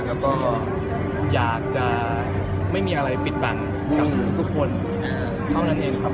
แล้วก็อยากจะไม่มีอะไรปิดบังกับทุกคนเท่านั้นเองครับ